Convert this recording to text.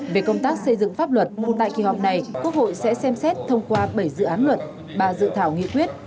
về công tác xây dựng pháp luật tại kỳ họp này quốc hội sẽ xem xét thông qua bảy dự án luật ba dự thảo nghị quyết